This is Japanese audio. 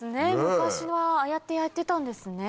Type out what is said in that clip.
昔はああやって焼いてたんですね。